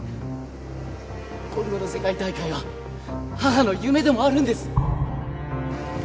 今度の世界大会は母の夢でもあるんです！